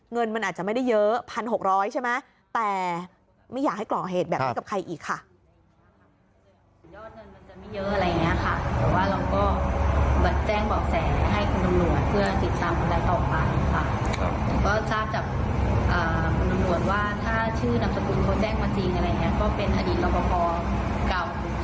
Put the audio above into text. เงินมันอาจจะไม่ได้เยอะ๑๖๐๐ใช่ไหมแต่ไม่อยากให้ก่อเหตุแบบนี้กับใครอีกค่ะ